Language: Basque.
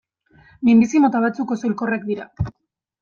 Minbizi mota batzuk oso hilkorrak dira.